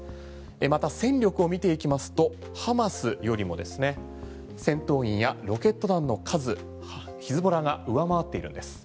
また戦力を見ていきますとハマスよりも戦闘員やロケット弾の数ヒズボラが上回っているんです。